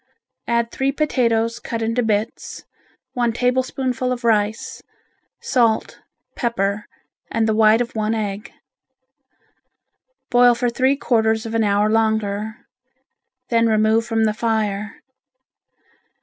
Add three potatoes cut into bits, one tablespoonful of rice, salt, pepper and the white of one egg. Boil for three quarters of an hour longer, then remove from the fire.